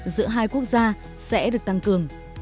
giữa hai quốc gia sẽ được tăng cường